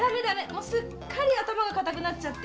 もうすっかり頭が固くなっちゃって。